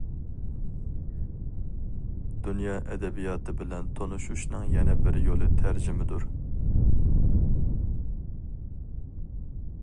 دۇنيا ئەدەبىياتى بىلەن تونۇشۇشنىڭ يەنە بىر يولى تەرجىمىدۇر.